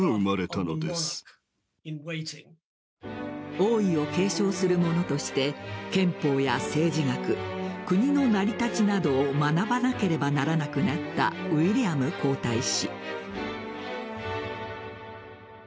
王位を継承するものとして憲法や政治学国の成り立ちなどを学ばなければならなくなったウィリアム皇太子。